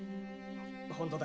本当だ。